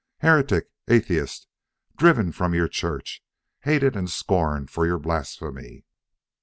Heretic! Atheist! Driven from your Church! Hated and scorned for your blasphemy!"